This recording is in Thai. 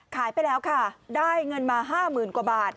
ขายไปแล้วค่ะได้เงินมา๕๐๐๐กว่าบาท